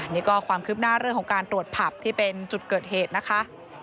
นี่ก็ความคืบหน้าเรื่องของการตรวจผับที่เป็นจุดเกิดเหตุนะคะ